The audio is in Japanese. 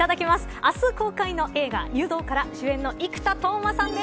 明日、公開の映画、湯道から主演の生田斗真さんです。